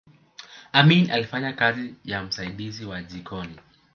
amin alifanya kazi ya msaidizi wa jikoni